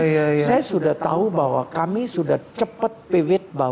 jadi saya sudah tahu bahwa kami sudah cepat pivot bahwa